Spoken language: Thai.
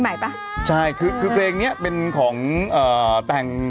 มันติดคุกออกไปออกมาได้สองเดือน